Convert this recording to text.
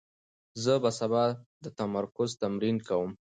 زه به سبا د تمرکز تمرین کوم.